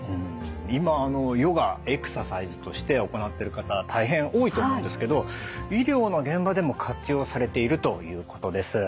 今あのヨガエクササイズとして行ってる方大変多いと思うんですけど医療の現場でも活用されているということです。